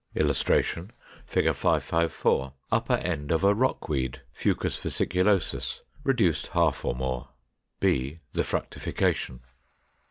] [Illustration: Fig. 554. Upper end of a Rockweed, Fucus vesiculosus, reduced half or more, b, the fructification.